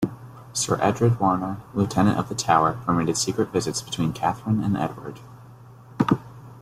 Sir Edward Warner, Lieutenant of The Tower, permitted secret visits between Catherine and Edward.